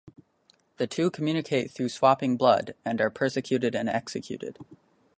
The two communicate through swapping blood, and are persecuted and executed.